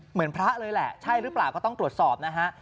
เหมือนพระเลยแหละใช่หรือเปล่าก็ต้องตรวจสอบนะฮะ